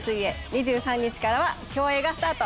２３日からは競泳がスタート。